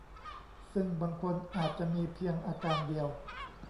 ซึ่งบางคนอาจจะมีเพียงอาการเดียว